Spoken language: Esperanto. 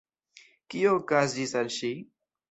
Kio okazis al ŝi?